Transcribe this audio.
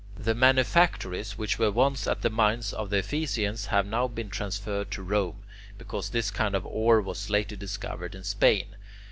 The manufactories which were once at the mines of the Ephesians have now been transferred to Rome, because this kind of ore was later discovered in Spain.